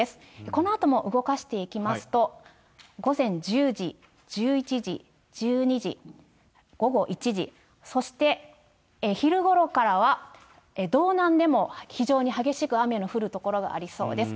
このあとも動かしていきますと、午前１０時、１１時、１２時、午後１時、そして昼ごろからは道南でも非常に激しく雨の降る所がありそうです。